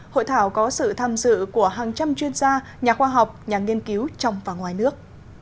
hội thảo có sự tham dự của hàng trăm chuyên gia nhà khoa học nhà nghiên cứu trong và ngoài nước